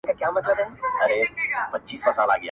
بلا خبرې چي په زړه کي لکه ته پاتې دي,